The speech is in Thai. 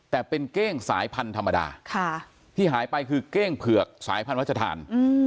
แต่เป็นเก้งสายพันธุ์ธรรมดาที่หายไปคือเก้งเผือกสายพันธทาน